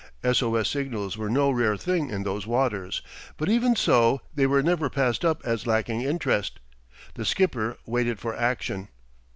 S O S signals were no rare thing in those waters, but even so they were never passed up as lacking interest; the skipper waited for action.